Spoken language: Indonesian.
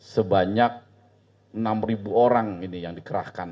sebanyak enam orang ini yang dikerahkan